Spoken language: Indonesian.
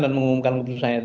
dan mengumumkan keputusannya